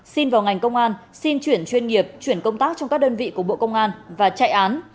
xin vào ngành công an xin chuyển chuyên nghiệp chuyển công tác trong các đơn vị của bộ công an và chạy án